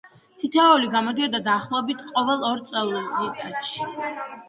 თითოეული გამოდიოდა დაახლოებით ყოველ ორ წელიწადში.